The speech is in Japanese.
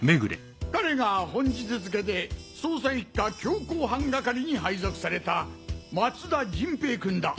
彼が本日付で捜査一課強行犯係に配属された松田陣平君だ。